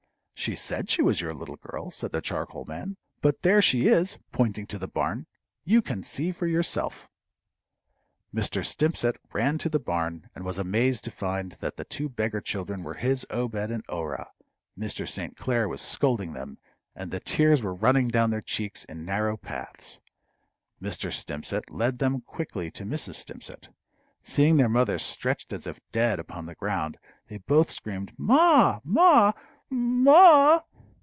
"She said she was your little girl," said the charcoal man. "But there she is" pointing to the barn; "you can see for yourself." Mr. Stimpcett ran to the barn, and was amazed to find that the two beggar children were his Obed and Orah. Mr. St. Clair was scolding them, and the tears were running down their cheeks in narrow paths. Mr. Stimpcett led them quickly to Mrs. Stimpcett. Seeing their mother stretched as if dead upon the ground, they both screamed, "Ma! ma! m a!"